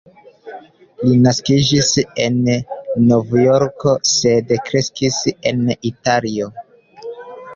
Li naskiĝis en Novjorko, sed kreskis en Italio.